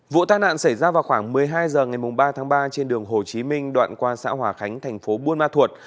vụ tai nạn xảy ra vào khoảng một mươi hai h ngày ba tháng ba trên đường hồ chí minh đoạn qua xã hòa khánh thành phố buôn ma thuột